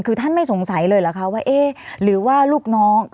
คือท่านไม่สงสัยเลยเหรอคะว่าเอ๊ะหรือว่าลูกน้อง